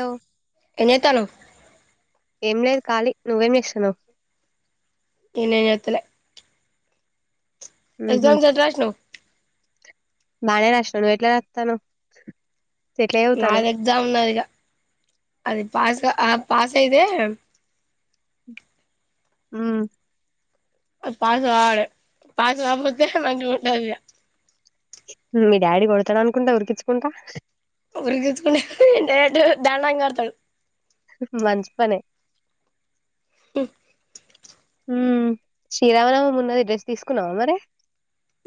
ఓ ఏం చేస్తున్నావ్ ఏం లేదు ఖాళీ నువ్వేం చేస్తున్నావ్ నేనేం చేస్తలే ఉహు ఎగ్జామ్స్ ఎట్ల రాసినావ్ బానే రాస్తాను నువ్వు ఎట్లా రాస్తతాను నాకు ఎగ్జామ్ ఉన్నదిగా అది పాస్ ఆ పాస్ అయితే హమ్ పాస్ కావాలె పాస్ కాకపోతే మంచిగా ఉండదు ఇగ మీ డాడీ కొడతాడు అనుకుంట ఉరికించుకుంటా ఉడికిచ్చుకుంటా డైరెక్ట్ దారుణంగ కొడతాడు మంచిపనే హమ్ హం శ్రీరామనమ ఉన్నది డ్రస్ తీసుకున్నవ మరి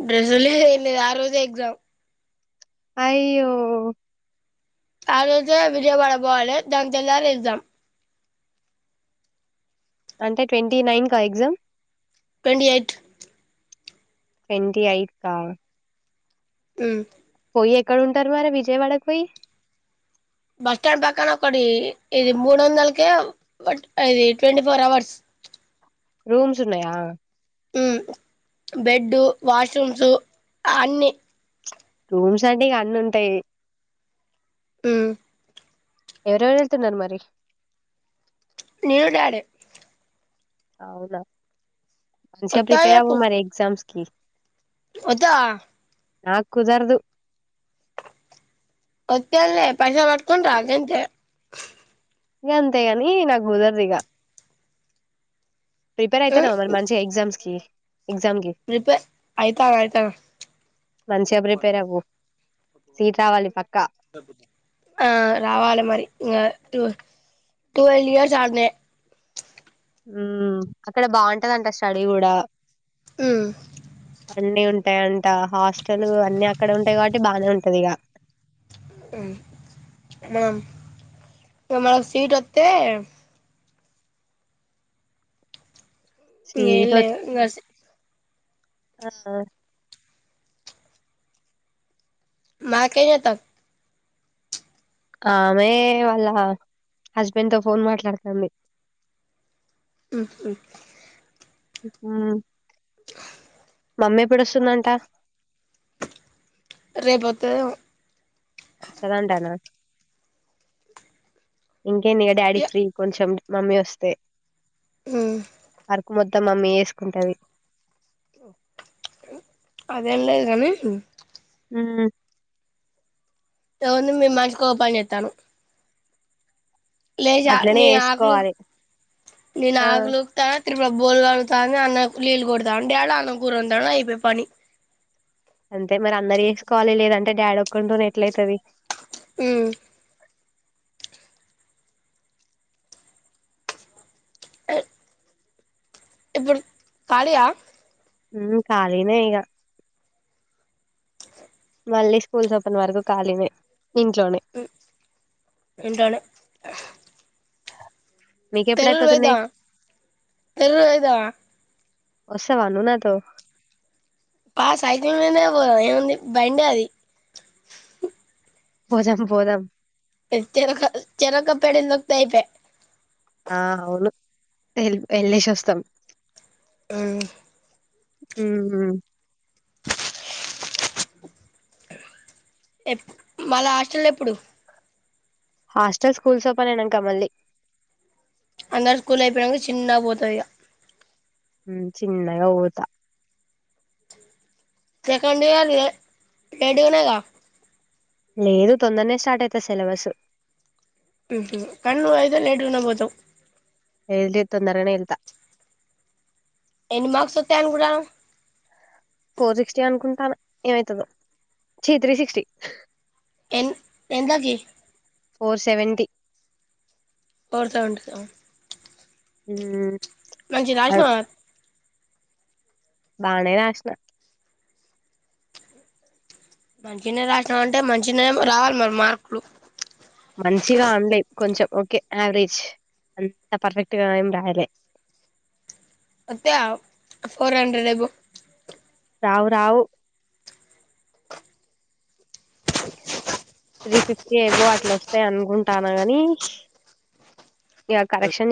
బ్రెజలే ఆ రోజే ఎగ్జామ్ అయ్యో ఆ రోజే విజయపడ పోవాలి దాని తెల్లారే ఎగ్జామ్ అంటే ట్వంటీ నైన్ కా exam twenty eight twenty eight కా హమ్ కోయి ఎక్కడ ఉంటరు మరి విజయవాడ కోయి బస్ స్టాండ్ పక్కన ఒకటి ఇది మూడు వందలకే ఇది ట్వంటీ ఫోర్ అవర్స్ రూమ్స్ ఉన్నయా హమ్ బెడ్డు వాష్రూమ్స్ అన్ని రూమ్స్ అంటే ఇగ అన్నీ ఉంటయి హమ్ ఎవరెవరు వెళ్తున్నారు మరి నేను డాడీ అవునా పష ప్రిపేర్ అవ్వు మరి ఎగ్జామ్స్ కీ వద్దా నాక్ కుదరదు వత్త అల్లే పైసల్ పట్టుకొని రా అంతే ఇగ అంతేగాని నాకు కుదరరదు ఇగ ప్రిపేర్ అవుతానా మరి మంచి ఎగ్జామ్స్ కి ఎగ్జామ్ కి ప్రిపేర్ అయితాన అయితాన మంచిగా ప్రిపేర్ అవ్వు సీట్ రావాలి పక్కా ఆ రావాల మరి ఇగ ట్వల్లె ఇయర్స్ ఆడనే ఉ అక్కడ బాగుంటదంట స్టడీ కూడా హమ్ అన్నీ ఉంటాయింట హాస్టల్ అన్ని అక్కడ ఉంటాయి కాబట్టి బానే ఉంటది ఇక హమ్ మనకి సీట్ వస్తె ఏం లేదు ఇంగ ఆ మాకేం చేతావ్ ఆ ఆమె వాళ్ళ హస్బెండ్తో ఫోన్ మాట్లాడతాంది హ్మ్మ్ ఆ మమ్మీ ఎప్పుడోస్తుందంట రేపోతదేమో వస్తదంటనా ఇంకేందిగా డాడీ ఇగ ఫ్రీ కొంచెం మమ్మీ వస్తే హ్మ్ వర్క్ మొత్తం మమ్మీ యేసుకుంటది అదేం లేద్గానీ ఊ తోంది మేం మంచికో పాన్జేత్తన్నాం లేచి ఆ అట్లనే నేన్ ఆక్లు చేసుకోవాలి నేను ఆ ఆకులుప్త త్రిపుర బోలు కడుగుతాంది. అన్నయ్య నీళ్ళు కొడతాండ్. డాడీ అన్నం కూర వోన్తాడు. అయిపే పని అంటే మరందర్ చేసుకోవాలే. లేదంటే డాడీ ఒక్కతోన్ ఎట్లైతది ఉ ఏ ఇప్పుడు కాలియా ఊ కాలినే ఇగా మళ్ళీ స్కూల్స్ ఓపెన్ వరకు ఖాలీనే హ్ ఇంట్లోనే తర్రూర్ పోయిద్ద మీకెప్పుడైపోతున్నాయి తర్రూర్ పోయిద్ద వస్తావా నువ్వు నాతో పా సైకిల్ మిందే పోదాం. ఏముంది బండది పో జెప్పు పోదాం ఎ చెరొక చెరొక్క పెడల్ తొక్తే ఐపే ఆ అవును ఎల్ ఏలేశోస్తం హు ఉహు ఎప్ మల్ల హాస్టల్ ఎప్పుడు హాస్టల్ స్కూల్స్ ఓపనైనంక మళ్ళీ అందరు స్కూల్ అయిపేనంక చిన్నగా పోతరీగా హ్మ్ చిన్నగా పోతా సెకండ్ ఇయర్ లే లేటుగానే గా లేదు తొందరనే స్టార్టైతది సిలబసు ఉ హూ కానీ నువ్వైతే లేటుగానే పోతావ్ లేద్ లేద్ తొందరగనే ఎల్తా ఎన్ని మార్క్సోతయ్ అనుకుంటున్నావ్ ఫోర్ సిక్స్టీ అనుకుంటాను ఏమైతుందో. చి త్రీ సిక్స్టీ ఎన్ ఎంతకి four seventy four seventy seven ఉమ్ మంచిగ్ రాసినావా బానే రాష్నా మంచిగ్నే రాష్నవంటే మంచిగ్నేం రావల్ మరి మార్కులు మంచిగా అన్లే కొంచెం ఓకే యావరేజ్. అంత పర్ఫెక్ట్గా ఏం రాయలే వత్తే అవ్ ఫోర్ హండ్రెడ్ ఎబో రావ రావు త్రీ ఫిఫ్టీ ఎబో అట్లోస్తాయ్ అనుకుంటాన్న గాని ఇగ కరెక్షన్